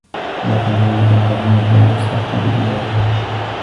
وَثَمودَ الَّذينَ جابُوا الصَّخرَ بِالوادِ